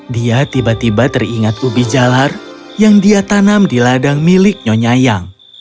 dia tiba tiba teringat ubi jalar yang dia tanam di ladang milik nyonyayang